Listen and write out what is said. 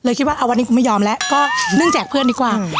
คิดว่าวันนี้กูไม่ยอมแล้วก็เรื่องแจกเพื่อนดีกว่า